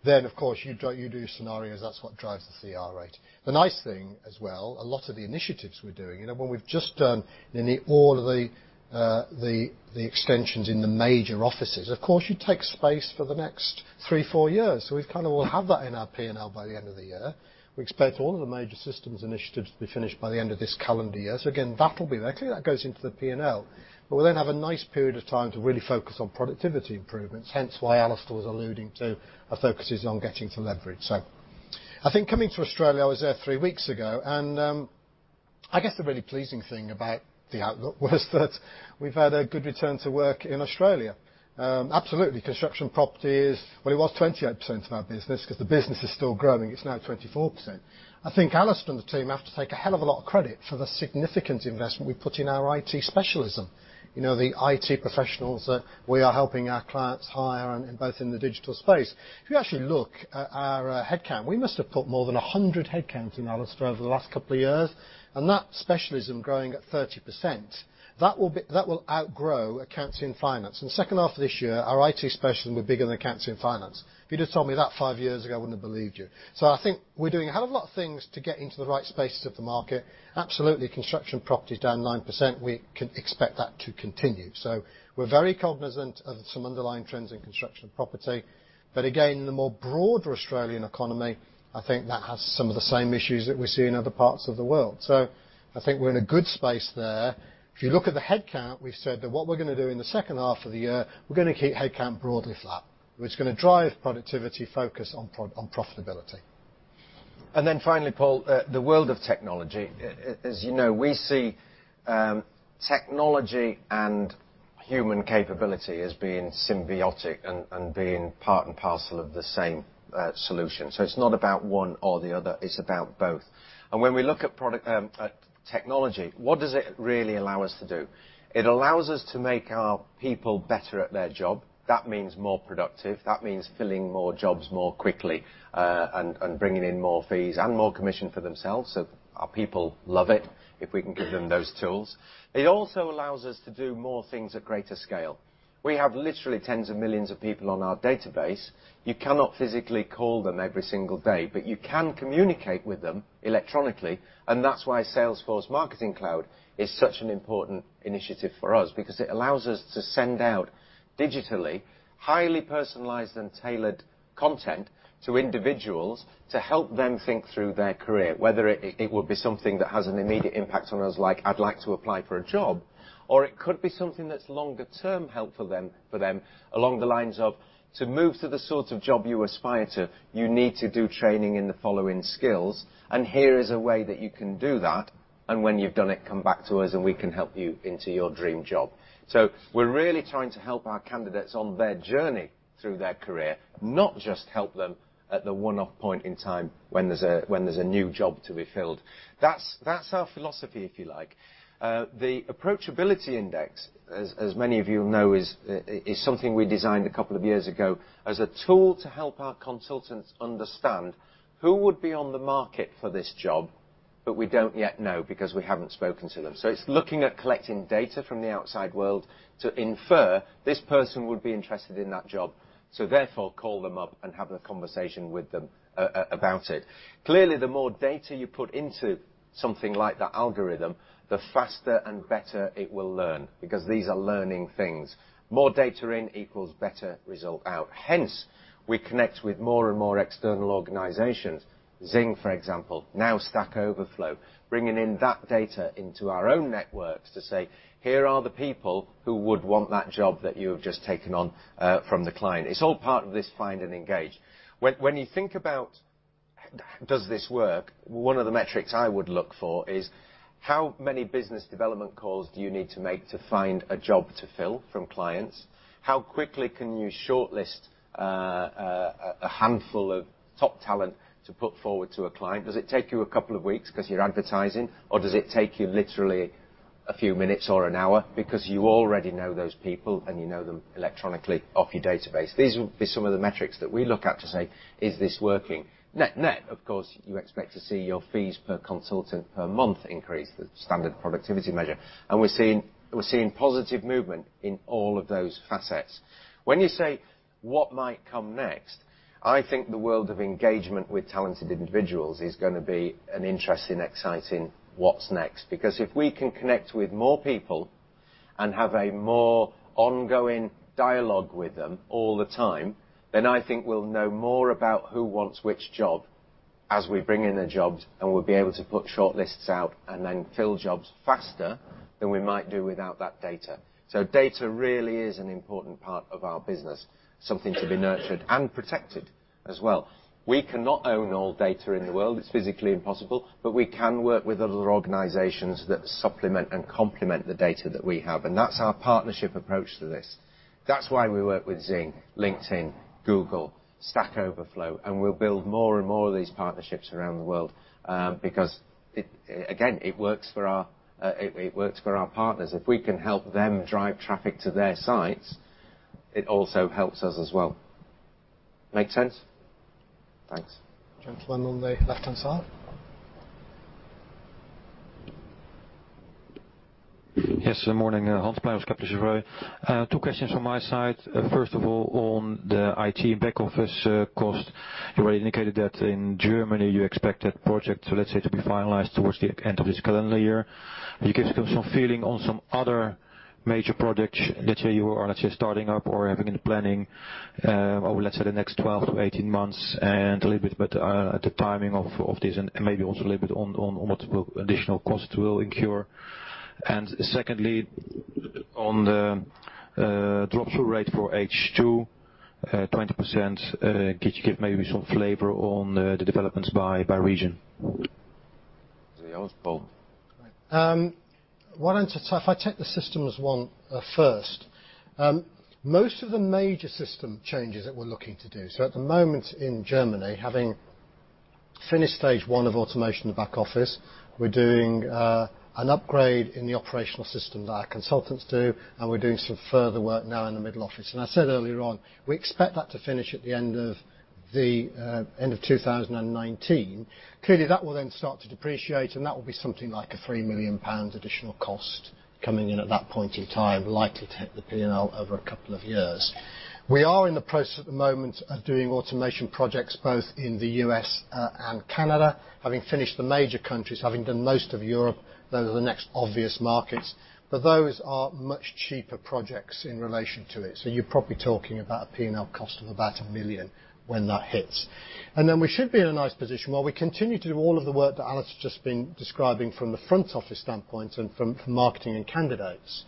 Speaker 2: Of course, you do your scenarios. That's what drives the CR rate. The nice thing as well, a lot of the initiatives we're doing. When we've just done all of the extensions in the major offices, of course, you take space for the next three, four years. We kind of will have that in our P&L by the end of the year. We expect all of the major systems initiatives to be finished by the end of this calendar year. Again, that will be there. Clearly, that goes into the P&L. We'll then have a nice period of time to really focus on productivity improvements, hence why Alistair was alluding to our focus is on getting to leverage. I think coming to Australia, I was there three weeks ago, and I guess the really pleasing thing about the outlook was that we've had a good return to work in Australia. Absolutely, Construction & Property is Well, it was 28% of our business. Because the business is still growing, it's now 24%. I think Alistair and the team have to take a hell of a lot of credit for the significant investment we put in our IT specialism. The IT professionals that we are helping our clients hire, and both in the digital space. If you actually look at our head count, we must have put more than 100 head counts in, Alistair, over the last couple of years. That specialism growing at 30%, that will outgrow Accountancy & Finance. In the second half of this year, our IT specialism will be bigger than Accountancy & Finance. If you'd have told me that five years ago, I wouldn't have believed you. I think we're doing a hell of a lot of things to get into the right spaces of the market. Absolutely, Construction & Property is down 9%. We can expect that to continue. We're very cognizant of some underlying trends in Construction & Property. The more broader Australian economy, I think that has some of the same issues that we see in other parts of the world. I think we're in a good space there. If you look at the head count, we've said that what we're going to do in the second half of the year, we're going to keep head count broadly flat, which is going to drive productivity focus on profitability.
Speaker 1: Paul, the world of technology. As you know, we see technology and human capability as being symbiotic and being part and parcel of the same solution. It's not about one or the other. It's about both. When we look at technology, what does it really allow us to do? It allows us to make our people better at their job. That means more productive. That means filling more jobs more quickly, and bringing in more fees and more commission for themselves. Our people love it if we can give them those tools. It also allows us to do more things at greater scale. We have literally tens of millions of people on our database. You cannot physically call them every single day, but you can communicate with them electronically, and that's why Salesforce Marketing Cloud is such an important initiative for us, because it allows us to send out digitally, highly personalized and tailored content to individuals to help them think through their career, whether it will be something that has an immediate impact on us, like, "I'd like to apply for a job," or it could be something that's longer term help for them along the lines of, to move to the sort of job you aspire to, you need to do training in the following skills, and here is a way that you can do that, and when you've done it, come back to us and we can help you into your dream job. We're really trying to help our candidates on their journey through their career, not just help them at the one-off point in time when there's a new job to be filled. That's our philosophy, if you like. The Approachability Index, as many of you know, is something we designed a couple of years ago as a tool to help our consultants understand who would be on the market for this job. We don't yet know because we haven't spoken to them. It's looking at collecting data from the outside world to infer this person would be interested in that job, call them up and have a conversation with them about it. Clearly, the more data you put into something like that algorithm, the faster and better it will learn, because these are learning things. More data in equals better result out. We connect with more and more external organizations. XING, for example, now Stack Overflow, bringing in that data into our own networks to say, "Here are the people who would want that job that you have just taken on from the client." It's all part of this Find & Engage. When you think about, does this work, one of the metrics I would look for is how many business development calls do you need to make to find a job to fill from clients? How quickly can you shortlist a handful of top talent to put forward to a client? Does it take you a couple of weeks because you're advertising, or does it take you literally a few minutes or an hour because you already know those people and you know them electronically off your database? These would be some of the metrics that we look at to say, "Is this working?" Net net, of course, you expect to see your fees per consultant per month increase, the standard productivity measure. We're seeing positive movement in all of those facets. When you say what might come next, I think the world of engagement with talented individuals is going to be an interesting, exciting what's next. If we can connect with more people and have a more ongoing dialogue with them all the time, then I think we'll know more about who wants which job as we bring in the jobs, and we'll be able to put shortlists out and then fill jobs faster than we might do without that data. Data really is an important part of our business, something to be nurtured and protected as well. We cannot own all data in the world, it's physically impossible, but we can work with other organizations that supplement and complement the data that we have. That's our partnership approach to this. That's why we work with XING, LinkedIn, Google, Stack Overflow. We'll build more and more of these partnerships around the world because again, it works for our partners. If we can help them drive traffic to their sites, it also helps us as well. Make sense? Thanks.
Speaker 2: Gentleman on the left-hand side.
Speaker 5: Yes. Morning. Hans, Capital Revue. Two questions from my side. First of all, on the IT and back office cost, you already indicated that in Germany you expect that project to be finalized towards the end of this calendar year. Can you give us some feeling on some other major projects that you are starting up or having in planning over the next 12 to 18 months, and a little bit about the timing of this and maybe also a little bit on what additional costs will incur. Secondly, on the drop-through rate for H2, 20%, could you give maybe some flavor on the developments by region?
Speaker 1: Hans, Paul.
Speaker 2: I take the systems one first. Most of the major system changes that we're looking to do at the moment in Germany, having finished stage 1 of automation in the back office, we're doing an upgrade in the operational system that our consultants do, and we're doing some further work now in the middle office. I said earlier on, we expect that to finish at the end of 2019. That will then start to depreciate, and that will be something like a 3 million pounds additional cost coming in at that point in time, likely to hit the P&L over a couple of years. We are in the process at the moment of doing automation projects both in the U.S. and Canada. Having finished the major countries, having done most of Europe, those are the next obvious markets. Those are much cheaper projects in relation to it. You're probably talking about a P&L cost of about 1 million when that hits. We should be in a nice position while we continue to do all of the work that Alistair's just been describing from the front office standpoint and from marketing and candidates.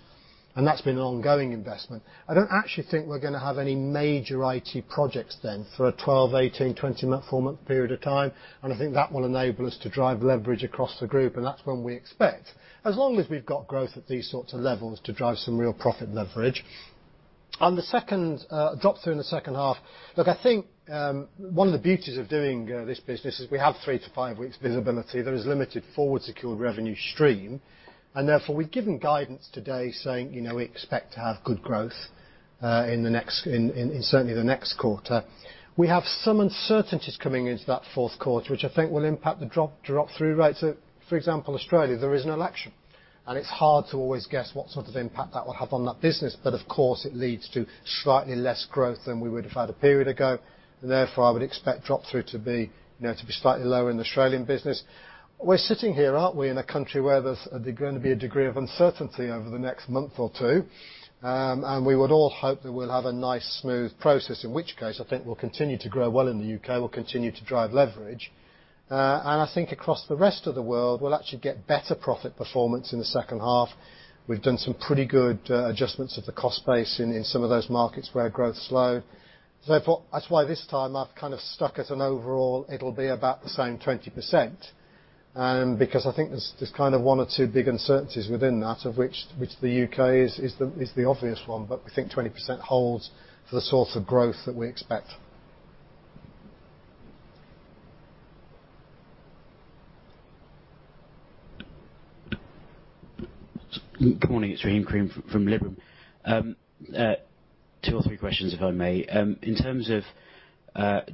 Speaker 2: That's been an ongoing investment. I don't actually think we're going to have any major IT projects then for a 12, 18, 24-month period of time. I think that will enable us to drive leverage across the group, and that's when we expect, as long as we've got growth at these sorts of levels to drive some real profit leverage. On the second drop-through in the second half, I think one of the beauties of doing this business is we have three to five weeks visibility. There is limited forward secure revenue stream. Therefore, we've given guidance today saying we expect to have good growth in certainly the next quarter. We have some uncertainties coming into that fourth quarter, which I think will impact the drop-through rates. For example, Australia, there is an election, and it's hard to always guess what sort of impact that will have on that business. Of course, it leads to slightly less growth than we would have had a period ago. I would expect drop-through to be slightly lower in the Australian business. We're sitting here, aren't we, in a country where there's going to be a degree of uncertainty over the next month or two, and we would all hope that we'll have a nice, smooth process, in which case I think we'll continue to grow well in the U.K., we'll continue to drive leverage. I think across the rest of the world, we'll actually get better profit performance in the second half. We've done some pretty good adjustments of the cost base in some of those markets where growth is slow. That's why this time I've kind of stuck at an overall it'll be about the same 20%, because I think there's kind of one or two big uncertainties within that, of which the U.K. is the obvious one. We think 20% holds for the sorts of growth that we expect.
Speaker 6: Good morning. It's Rahim Karim from Liberum. Two or three questions, if I may. In terms of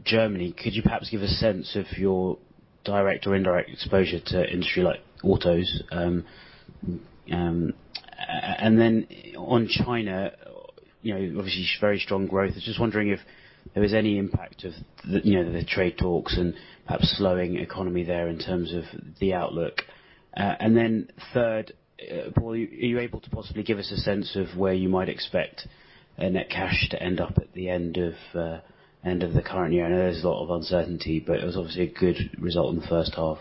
Speaker 6: Germany, could you perhaps give a sense of your direct or indirect exposure to industry like autos? On China, obviously very strong growth. I was just wondering if there was any impact of the trade talks and perhaps slowing economy there in terms of the outlook. Then third, Paul, are you able to possibly give us a sense of where you might expect net cash to end up at the end of the current year? I know there's a lot of uncertainty, but it was obviously a good result in the first half.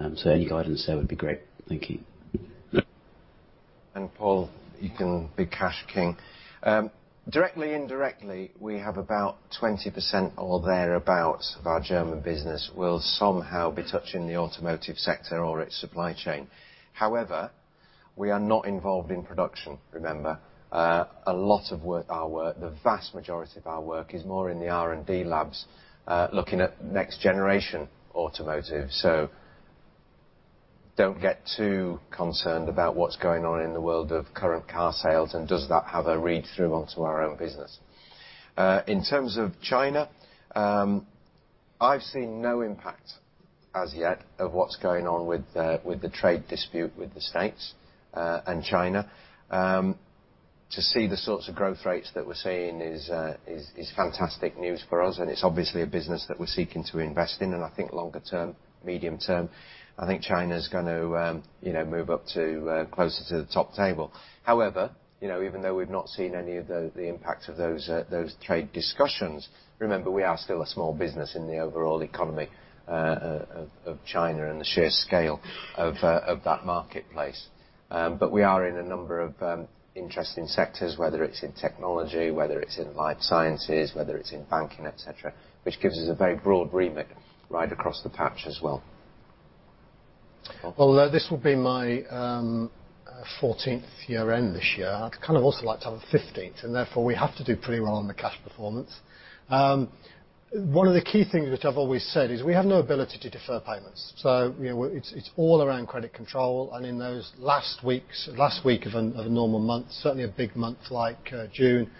Speaker 6: Any guidance there would be great. Thank you.
Speaker 1: Paul, you can be cash king. Directly, indirectly, we have about 20% or thereabout of our German business will somehow be touching the automotive sector or its supply chain. However, we are not involved in production, remember. A lot of our work, the vast majority of our work is more in the R&D labs looking at next generation automotive. Don't get too concerned about what's going on in the world of current car sales, and does that have a read-through onto our own business. In terms of China, I've seen no impact as yet of what's going on with the trade dispute with the States and China. To see the sorts of growth rates that we're seeing is fantastic news for us, and it's obviously a business that we're seeking to invest in. I think longer term, medium term, I think China's going to move up closer to the top table. However, even though we've not seen any of the impact of those trade discussions, remember, we are still a small business in the overall economy of China and the sheer scale of that marketplace. We are in a number of interesting sectors, whether it's in technology, whether it's in life sciences, whether it's in banking, et cetera, which gives us a very broad remit right across the patch as well. Paul?
Speaker 2: Well, this will be my 14th year-end this year. I'd kind of also like to have a 15th, therefore we have to do pretty well on the cash performance. One of the key things which I've always said is we have no ability to defer payments. It's all around credit control. In those last week of a normal month, certainly a big month like June,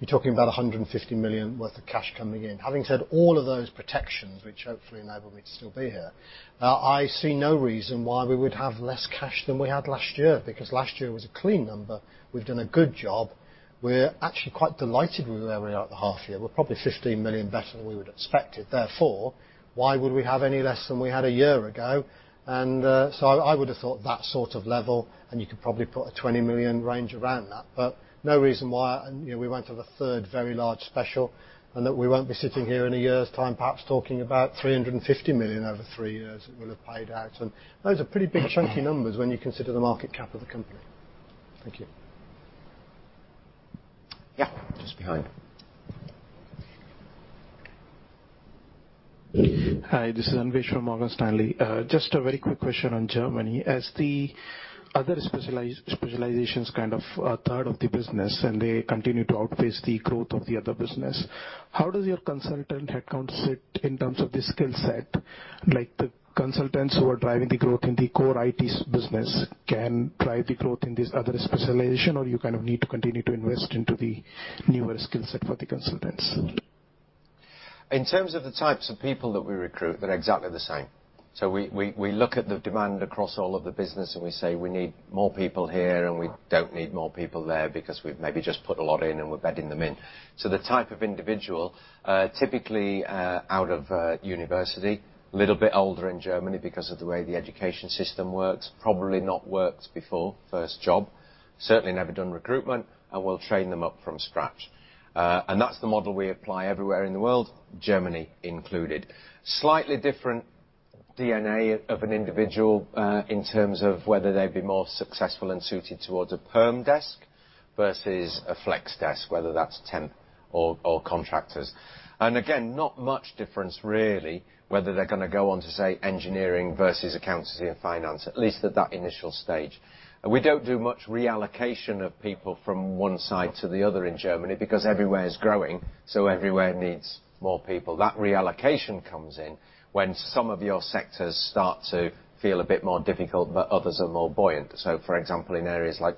Speaker 2: you're talking about 150 million worth of cash coming in. Having said all of those protections, which hopefully enable me to still be here, I see no reason why we would have less cash than we had last year, because last year was a clean number. We've done a good job. We're actually quite delighted with where we are at the half year. We're probably 15 million better than we would have expected. Why would we have any less than we had a year ago? I would have thought that sort of level, and you could probably put a 20 million range around that. No reason why we won't have a third very large special, and that we won't be sitting here in a year's time, perhaps talking about 350 million over three years that we'll have paid out. Those are pretty big, chunky numbers when you consider the market cap of the company. Thank you.
Speaker 1: Yeah. Just behind.
Speaker 7: Hi, this is Anvesh from Morgan Stanley. Just a very quick question on Germany. As the other specializations a third of the business, and they continue to outpace the growth of the other business, how does your consultant headcount sit in terms of the skill set? The consultants who are driving the growth in the core IT business can drive the growth in this other specialization, or you need to continue to invest into the newer skill set for the consultants?
Speaker 1: In terms of the types of people that we recruit, they're exactly the same. We look at the demand across all of the business, and we say we need more people here, and we don't need more people there because we've maybe just put a lot in and we're bedding them in. The type of individual, typically out of university, little bit older in Germany because of the way the education system works, probably not worked before, first job. Certainly never done recruitment, and we'll train them up from scratch. That's the model we apply everywhere in the world, Germany included. Slightly different DNA of an individual, in terms of whether they'd be more successful and suited towards a perm desk versus a flex desk, whether that's temp or contractors. Again, not much difference, really, whether they're going to go on to, say, engineering versus Accountancy & Finance, at least at that initial stage. We don't do much reallocation of people from one side to the other in Germany because everywhere is growing, so everywhere needs more people. That reallocation comes in when some of your sectors start to feel a bit more difficult, but others are more buoyant. For example, in areas like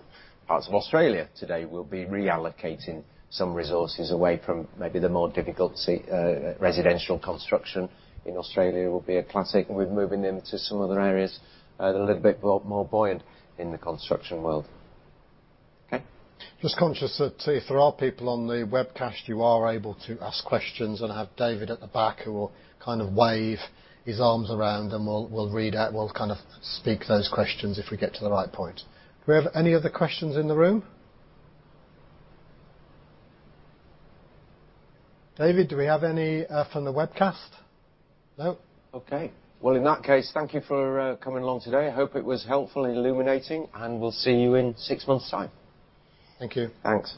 Speaker 1: parts of Australia today, we'll be reallocating some resources away from maybe the more difficult residential construction in Australia will be a classic, and we're moving them to some other areas that are a little bit more buoyant in the construction world. Okay.
Speaker 2: Just conscious that if there are people on the webcast, you are able to ask questions and I have David at the back who will wave his arms around, and we'll read out, we'll speak those questions if we get to the right point. Do we have any other questions in the room? David, do we have any from the webcast? No?
Speaker 1: Okay. Well, in that case, thank you for coming along today. Hope it was helpful and illuminating, we'll see you in six months' time.
Speaker 2: Thank you.
Speaker 1: Thanks.